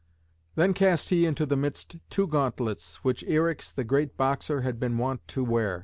Then cast he into the midst two gauntlets which Eryx, the great boxer, had been wont to wear.